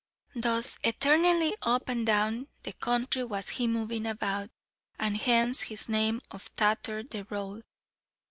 Thus eternally up and down the country was he moving about, and hence his name of "Tatther the Road."